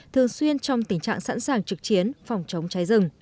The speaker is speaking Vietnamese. thường xuyên trong tình trạng sẵn sàng trực chiến phòng chống cháy rừng